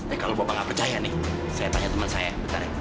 eh kalau bapak nggak percaya nih saya tanya teman saya bentar ya